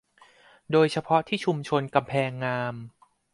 โดยเฉพาะที่ชุมชนกำแพงงาม